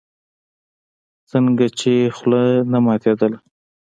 څنگه يې خوله نه ماتېدله.